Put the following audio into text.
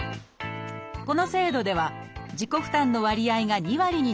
この制度では自己負担の割合が２割になります。